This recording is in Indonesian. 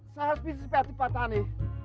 saya harus bisnis berarti pak tani